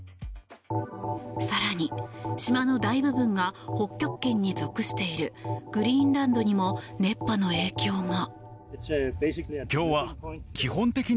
更に島の大部分が北極圏に属しているグリーンランドにも熱波の影響が。